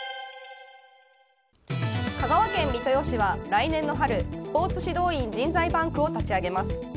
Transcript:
香川県三豊市は来年の春スポーツ指導員人材バンクを立ち上げます。